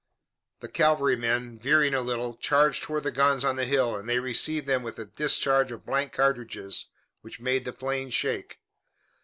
The cavalrymen, veering a little, charged toward the guns on the hill, and they received them with a discharge of blank cartridges which made the plain shake.